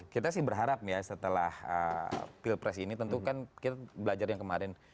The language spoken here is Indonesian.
kita sih berharap ya setelah pilpres ini tentu kan kita belajar yang kemarin